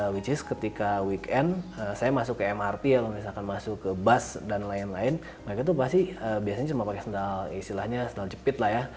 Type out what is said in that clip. which is ketika weekend saya masuk ke mrt kalau misalkan masuk ke bus dan lain lain mereka tuh pasti biasanya cuma pakai sendal istilahnya sendal jepit lah ya